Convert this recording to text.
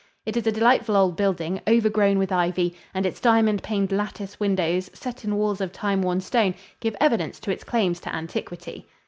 It is a delightful old building, overgrown with ivy, and its diamond paned lattice windows, set in walls of time worn stone, give evidence to its claims to antiquity.